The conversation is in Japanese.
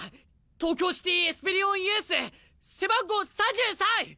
東京シティ・エスペリオンユース背番号３３！